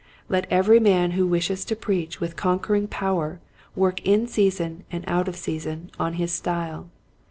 Let every man who wishes to preach with conquering power work in season and out of season on his style.